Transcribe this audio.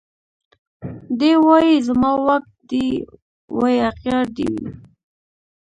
دی وايي زما واک دي وي اغيار دي وي